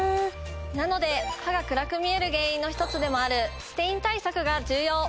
なので歯が暗く見える原因の１つでもあるステイン対策が重要！